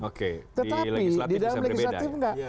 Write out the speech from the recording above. oke di legislatif bisa berbeda